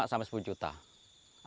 itu sangat banyak jika kita menjualnya